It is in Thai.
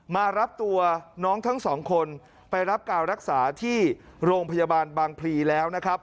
มารับตัวน้องทั้งสองคนไปรับการรักษาที่โรงพยาบาลบางพลีแล้วนะครับ